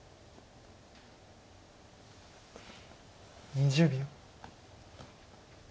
２０秒。